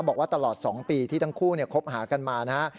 บอกว่าตลอด๒ปีที่ทั้งคู่คบหากันมานะฮะ